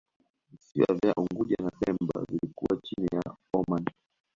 Visiwa vya Unguja na Pemba vilikuwa chini ya Omani